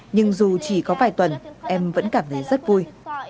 nhưng dù chỉ có vài tuần em vẫn cảm thấy rất vui